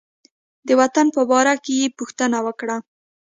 د وطن په باره کې یې پوښتنه وکړه.